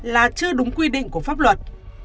là chưa đúng quy định của pháp luật